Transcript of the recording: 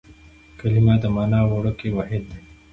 کلیمه د مانا وړوکی واحد دئ.